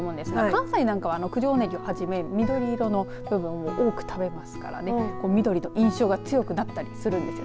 関西なんかは九条ねぎを始め緑色の部分を多く食べますから緑と印象が強くなったりするんです。